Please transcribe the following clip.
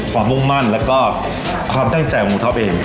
มุ่งมั่นแล้วก็ความตั้งใจของท็อปเอง